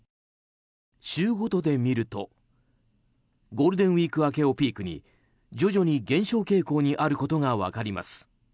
週ごとで見るとゴールデンウィーク明けをピークに徐々に減少傾向にあることが分かります。